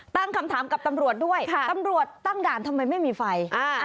ตั้งคำถามกับตำรวจด้วยตำรวจตั้งด่านทำไมไม่มีไฟ